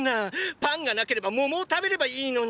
パンがなければ桃を食べればいいのに！